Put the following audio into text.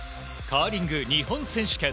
カーリング日本選手権。